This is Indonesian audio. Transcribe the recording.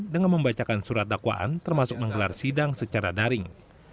dengan membacakan surat dakwaan termasuk menggelar sidang secara daring